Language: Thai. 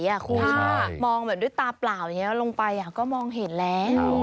ถ้ามองด้วยตาเปล่าลงไปก็มองเห็นแล้ว